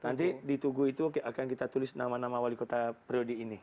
nanti di tugu itu akan kita tulis nama nama wali kota priodi ini